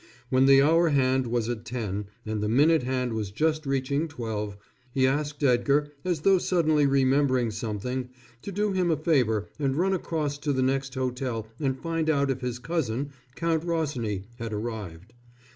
When the hour hand was at ten and the minute hand was just reaching twelve, he asked Edgar, as though suddenly remembering something, to do him a favor and run across to the next hotel and find out if his cousin, Count Rosny, had arrived.